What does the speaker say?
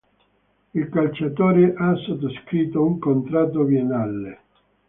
Il calciatore ha sottoscritto un contratto biennale.